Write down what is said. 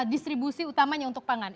distribusi utamanya untuk pangan